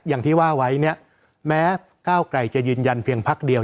อย่างที่ว่าไว้เนี่ยแม้ก้าวไกลจะยืนยันเพียงพักเดียว